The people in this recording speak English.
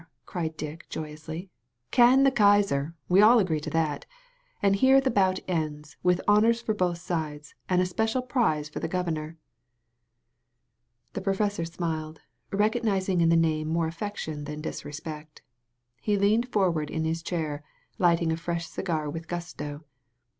cried Dick joyously. "Can the Kaiser! We all agree to that. And here the bout ends, with honors for both sides, and a special prize for the Governor." The professor smiled, recognizing in the name more affection than disrespect. He leaned forward in his chair, lighting a fresh cigar with gusto.